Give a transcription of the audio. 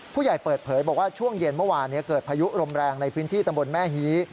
เปิดเผยบอกว่าช่วงเย็นเมื่อวานเกิดพายุรมแรงในพื้นที่ตำบลแม่ฮี